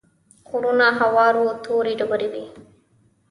غرونه هوار وو تورې ډبرې وې.